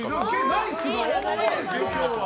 ナイスが多いですよ、今日は。